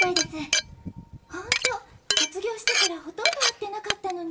ホント卒業してからほとんど会ってなかったのに。